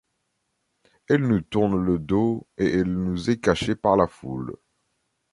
Elle nous tourne le dos, et elle nous est cachée par la foule.